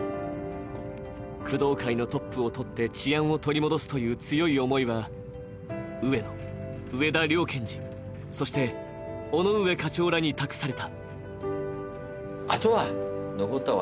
工藤会のトップをとって治安を取り戻すという強い思いは上野・上田両検事、そして尾上課長らに託された。